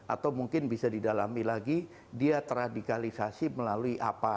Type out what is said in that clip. atau mungkin bisa didalami lagi dia terradikalisasi melalui apa